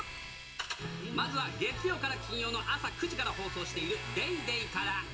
まずは月曜から金曜の朝９時から放送しているＤａｙＤａｙ．から。